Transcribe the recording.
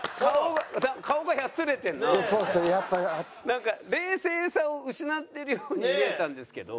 なんか冷静さを失っているように見えたんですけど。